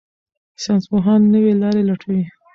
ساینسپوهان نوې لارې لټوي.